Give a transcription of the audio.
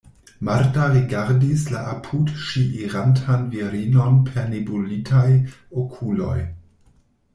Marta rigardis la apud ŝi irantan virinon per nebulitaj okuloj.